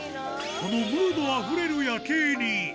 このムードあふれる夜景に。